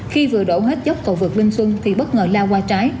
khi vừa đổ hết dốc cầu vượt minh xuân thì bất ngờ lao qua trái